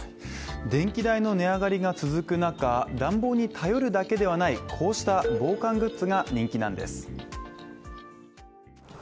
電気代の値上がりが続く中、暖房に頼るだけではない、こうした防寒グッズが人気なんです。